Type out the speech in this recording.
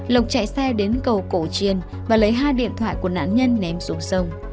lộc chạy xe đến cầu cổ chiên và lấy hai điện thoại của nạn nhân ném xuống sông